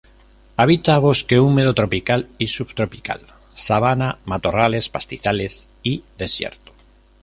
Habita bosque húmedo tropical y subtropical, sabana, matorrales, pastizales y desierto.